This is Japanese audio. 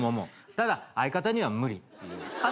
ただ相方には無理っていう。